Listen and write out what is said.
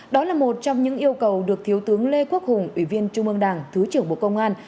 đó là một trong những yêu cầu được thiếu tướng lê quốc hùng ủy viên trung ương đảng thứ trưởng bộ công an